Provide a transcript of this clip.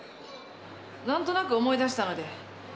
何となく思い出したので。